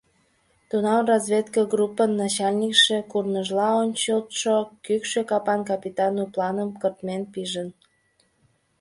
Тунам разведгруппын начальникше — курныжла ончылтшо кӱкшӧ капан капитан у планлан кыртмен пижын.